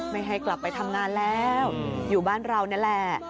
ไม่ให้กลับไปทำงานแล้วอยู่บ้านเรานั่นแหละ